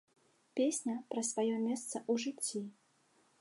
Песня пра сваё месца ў жыцці.